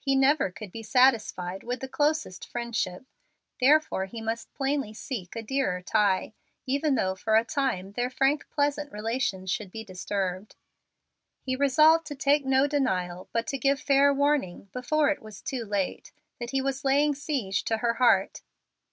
He never could be satisfied with the closest friendship, therefore he must plainly seek a dearer tie, even though for a time their frank, pleasant relations should be disturbed. He resolved to take no denial, but to give fair warning, before it was too late, that he was laying siege to her heart.